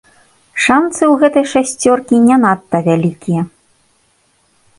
Шанцы ў гэтай шасцёркі не надта вялікія.